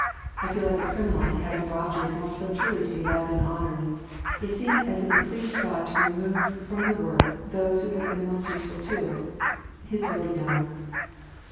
I feel like a criminal in having robbed you of one so truly to be loved and honoured. It seemed as if it pleased God to remove from the work those who have been most useful to it. His will be done!"